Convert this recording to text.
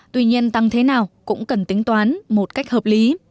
tuy nhiên tăng thế nào cũng cần tính toán một cách hợp lý